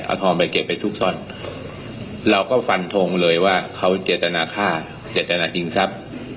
เอาทองไปเก็บไปซุกซ่อนเราก็ฟันทงเลยว่าเขาเจตนาฆ่าเจตนาชิงทรัพย์